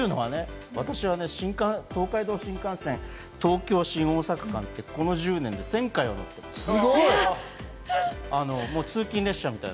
私はね、東海道新幹線、東京ー新大阪間って、この１０年で１０００回は行ってます。